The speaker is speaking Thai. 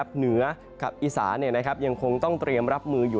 เหนือกับอีสานยังคงต้องเตรียมรับมืออยู่